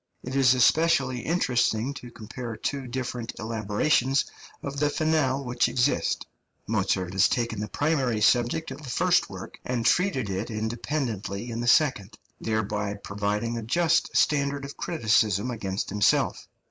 It is especially interesting to compare two different elaborations of the finale which exist. Mozart has taken the primary subject of the first work, and treated it independently in the second, thereby providing a just standard of criticism against himself.